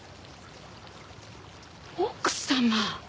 奥様